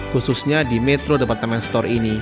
khususnya di metro departemen store ini